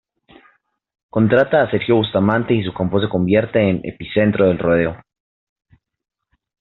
Contrata a Sergio Bustamante y su campo se convierte en "epicentro" del rodeo.